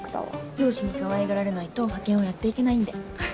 上司にかわいがられないと派遣はやっていけないんで。